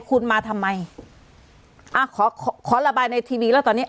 คุณมาทำไมอ่าขอขอระบายในทีวีแล้วตอนนี้